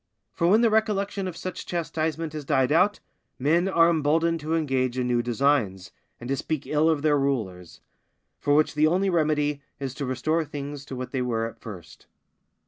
For when the recollection of such chastisement has died out, men are emboldened to engage in new designs, and to speak ill of their rulers; for which the only remedy is to restore things to what they were at first.